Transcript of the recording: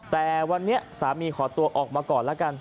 แต่วันนี้สามีขอตัวออกมาก่อนแล้วกัน